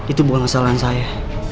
itu bukan kesalahan saya